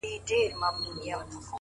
ساده ژوند ژوره خوښي لري؛